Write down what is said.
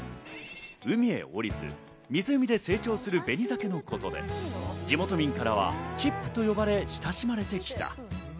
海へ下りず、成長するベニザケのことで、地元民からはチップと呼ばれ親しまれてきた。